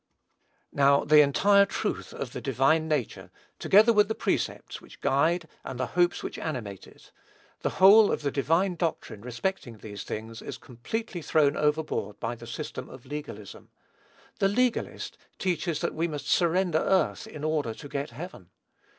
Now, the entire truth of the divine nature, together with the precepts which guide and the hopes which animate it, the whole of the divine doctrine respecting these things is completely thrown overboard by the system of legalism. The legalist teaches that we must surrender earth in order to get heaven.